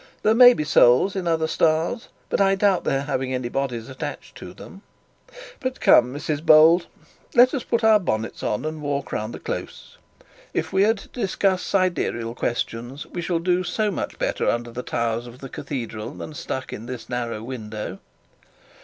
There may be souls in other stars, but I doubt their having any bodies attached to them. But come, Mrs Bold, let us put our bonnets on and walk round the close. If we are to discuss sidereal questions, we shall do so much better under the towers of the cathedral, than stuck in this narrow window.